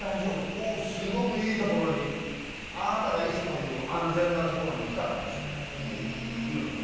もうすごくいいところにあなたがいつも言う安全なところに来たかもしれない」って言うのね。